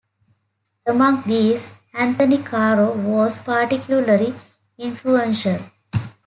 Among these, Anthony Caro was particularly influential.